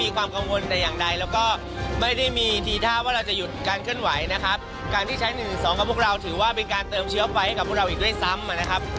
การใช้๑ส่วน๒กับพวกเราถือว่าเป็นการเติมเชื้อไฟให้กับพวกเราอีกด้วยซ้ำนะครับ